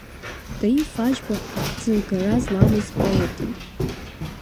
Таиф Аџьба ахӡыргара зламыз поетын.